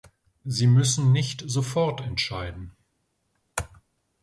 Sie müssen nicht sofort entscheiden.